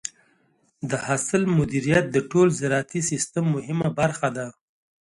د حاصل مدیریت د ټول زراعتي سیستم مهمه برخه ده.